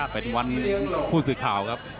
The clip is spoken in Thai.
เป็นวันผู้สื่อข่าวครับ